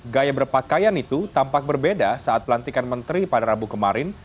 gaya berpakaian itu tampak berbeda saat pelantikan menteri pada rabu kemarin